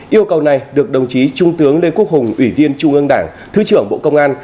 yêu cầu này được đồng chí trung tướng lê quốc hùng ủy viên trung ương đảng thứ trưởng bộ công an